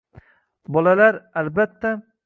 Bolalar: albatta...